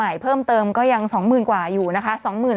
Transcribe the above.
เพิ่มเติมก็ยัง๒๐๐๐กว่าอยู่นะคะ